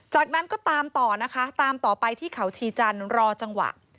จากนั้นก็ตามต่อนะคะตามต่อไปที่เขาชีจันทร์รอจังหวะ